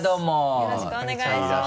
よろしくお願いします。